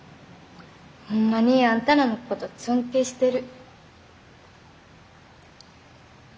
ホンマにあんたらのこと尊敬してる。